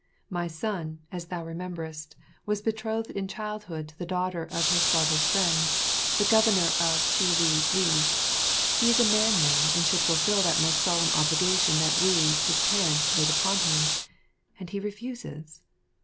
My son, as thou rememberest, was betrothed in childhood to the daughter of his father's friend, the Governor of Chili li. He is a man now, and should fulfill that most solemn obligation that we, his parents, laid upon him and he refuses.